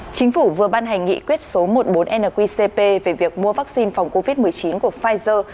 chính phủ vừa ban hành nghị quyết số một mươi bốn nqcp về việc mua vaccine phòng covid một mươi chín của pfizer